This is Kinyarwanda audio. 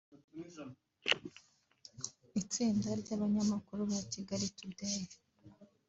Itsinda ry’abanyamakuru ba Kigali Today